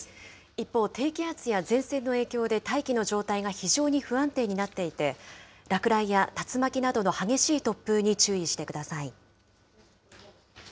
一方、低気圧や前線の影響で大気の状態が非常に不安定になっていて、落雷や竜巻などの激しい突風に注意してください。